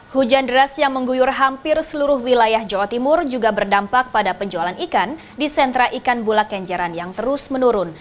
hujan deras yang mengguyur hampir seluruh wilayah jawa timur juga berdampak pada penjualan ikan di sentra ikan bulak kenjeran yang terus menurun